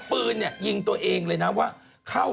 พี่ปุ้ยลูกโตแล้ว